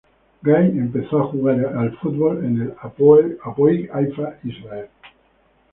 Gai empezó a jugar al fútbol en el Hapoel Haifa israelí.